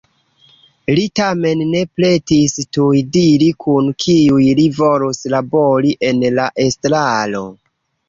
Li tamen ne pretis tuj diri kun kiuj li volus labori en la estraro.